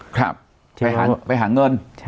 ครับไปหาเงิน